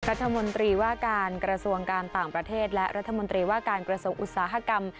รัฐมนตรีว่าการกระทรวงการต่างประเทศและรัฐมนตรีว่าการกระทรวงอุตสาหกรรม